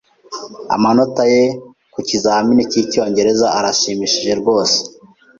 Amanota ye ku kizamini cyicyongereza arashimishije rwose.